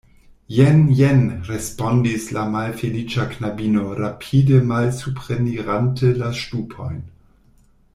Jen, jen, respondis la malfeliĉa knabino, rapide malsuprenirante la ŝtupojn.